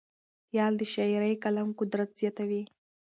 خیال د شعري کلام قدرت زیاتوي.